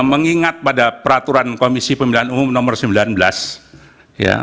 mengingat pada peraturan komisi pemilihan umum nomor sembilan belas